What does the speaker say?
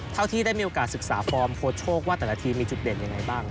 เท่าที่ได้มีโอกาสศึกษาฟอร์มโค้ชโชคว่าแต่ละทีมมีจุดเด่นยังไงบ้าง